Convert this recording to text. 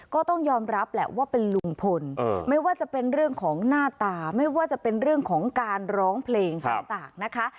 ก็ต้องยอมรับแหละว่าเป็นลุงพลไม่ว่าจะเป็นเรื่องของหน้าตาไม่ว่าจะเป็นเรื่องของการร้องเพลงต่างนะคะ